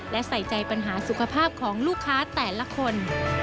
และใส่ใจปัญหาสุขภาพของลูกค้าแต่ละคน